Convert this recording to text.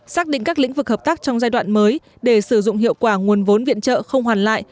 xác định các lĩnh vực hợp tác trong giai đoạn mới để sử dụng hiệu quả nguồn vốn viện trợ không hoàn lại